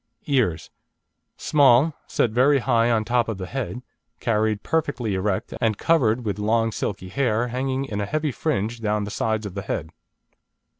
EARS Small, set very high on the top of the head, carried perfectly erect, and covered with long silky hair, hanging in a heavy fringe down the sides of the head.